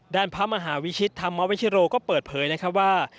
ด้านพระมหาวิชิตธรรมวิชิโรก็เปิดเผยนะครับว่า